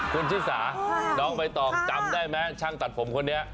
คุณชิสาน้องใบตองจำได้ไหมช่างตัดผมคนนี้